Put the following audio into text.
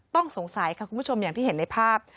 ต้องสงสัยค่ะคุณผู้ชมอย่างที่เห็นในภาพ